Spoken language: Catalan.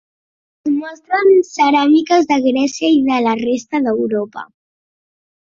Es mostren ceràmiques de Grècia i de la resta d'Europa.